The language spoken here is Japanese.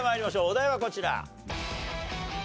お題はこちら。